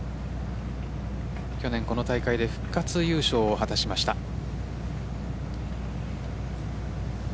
去年この大会で復活優勝を果たしました。